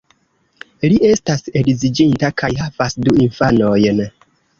Li estas edziĝinta kaj havas du infanojn.